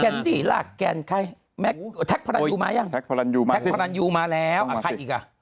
แกนดี้ล่ะแกนใครแท็กพอรันยูมาหรือยังแท็กพอรันยูมาแล้วใครอีกอ่ะ